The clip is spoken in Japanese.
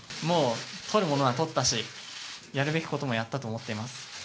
もうとるものはとったし、やるべきこともやったと思っています。